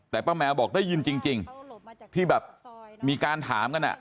แต่ป้าแมวบอกได้ยินจริงที่แบบมีการถามกัน